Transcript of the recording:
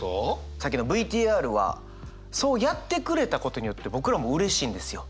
さっきのＶＴＲはそうやってくれたことによって僕らもうれしいんですよ。